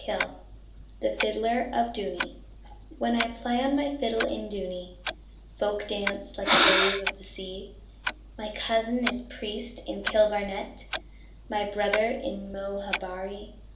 17 THE FIDDLER OF DOONEY When I play on my fiddle in Dooney, Folk dance like a wave of the sea; My cousin is priest in Kilvarnet, My brother in Moharabuiee.